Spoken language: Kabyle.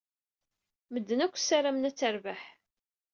Medden akk ssarmen ad terbeḥ.